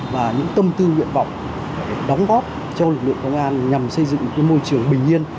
và những tâm tư nguyện vọng đóng góp cho lực lượng công an nhằm xây dựng một môi trường bình yên